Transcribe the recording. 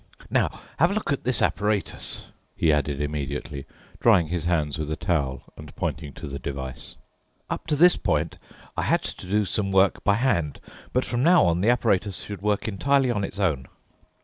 "Now, have a look at this apparatus," he added immediately, drying his hands with a towel and pointing to the device. "Up to this point I had to do some work by hand, but from now on the apparatus should work entirely on its own."